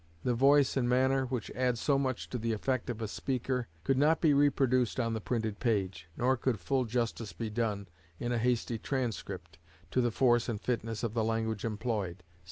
The voice and manner, which add so much to the effect of a speaker, could not be reproduced on the printed page; nor could full justice be done, in a hasty transcript, to the force and fitness of the language employed.